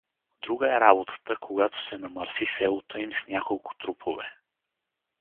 Друга е работата, когато се намърси селото им с няколко трупове.